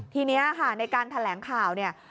ทีนี้ค่ะในการแถลงข่าวเนี่ย